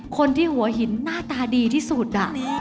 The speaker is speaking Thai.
คนที่หัวหินหน้าตาดีที่สุด